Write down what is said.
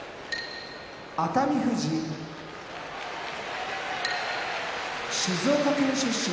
熱海富士静岡県出身